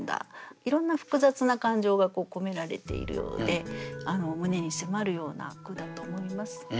いろんな複雑な感情が込められているようで胸に迫るような句だと思います。